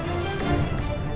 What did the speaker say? jangan pak landung